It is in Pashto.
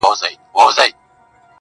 • زما خبرو ته لا نوري چیغي وکړه_